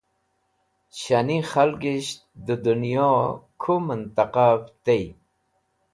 Shani khalgish dẽ dẽnyoẽ ku mẽntẽqav they